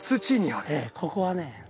ここはね